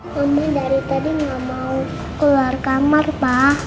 mama dari tadi gak mau keluar kamar pak